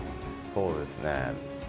そうですね。